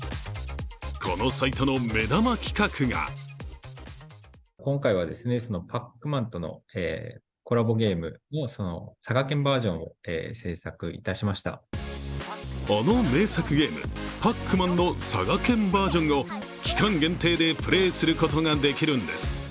このサイトの目玉企画があの名作ゲーム「パックマン」の佐賀県バージョンを期間限定でプレーすることができるんです。